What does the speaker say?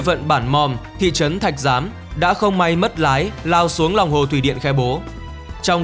vận bản mòm thị trấn thạch giám đã không may mất lái lao xuống lòng hồ thủy điện khe bố trong